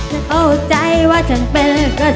ได้เข้าใจว่าฉันเป็นกระสือ